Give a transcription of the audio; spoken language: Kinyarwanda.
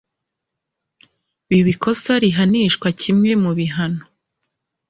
biba ikosa rihanishwa kimwe mu bihano